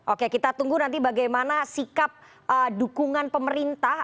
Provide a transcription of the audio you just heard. oke kita tunggu nanti bagaimana sikap dukungan pemerintah